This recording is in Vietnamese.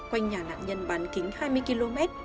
quanh nhà nạn nhân bán kính hai mươi km